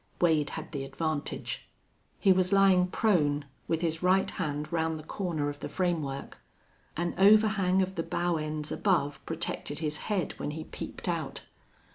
Wade had the advantage. He was lying prone with his right hand round the corner of the framework. An overhang of the bough ends above protected his head when he peeped out.